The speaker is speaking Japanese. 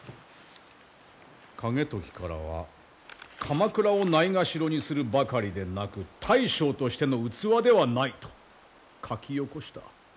景時からは鎌倉をないがしろにするばかりでなく大将としての器ではないと書きよこした。